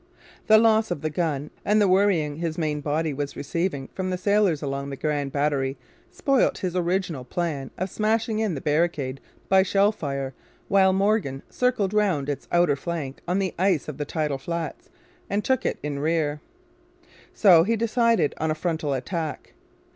The loss of the gun and the worrying his main body was receiving from the sailors along the Grand Battery spoilt his original plan of smashing in the barricade by shell fire while Morgan circled round its outer flank on the ice of the tidal flats and took it in rear. So he decided on a frontal attack.